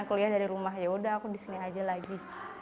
aku lihat dari rumah ya udah aku di sini aja lagi